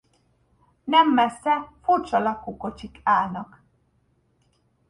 Nem messze furcsa lakókocsik állnak.